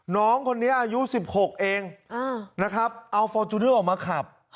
น้องคนนี้อายุ๑๖เองนะครับเอาฟอร์จูเนอร์ออกมาขับ